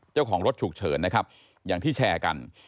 เจ้าของรถฉุกเฉินนะครับอย่างที่แชร์กัน